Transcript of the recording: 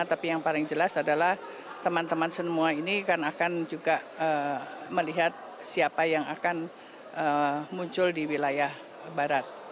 tapi yang paling jelas adalah teman teman semua ini kan akan juga melihat siapa yang akan muncul di wilayah barat